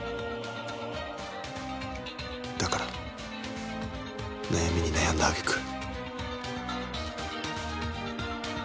だから悩みに悩んだあげく。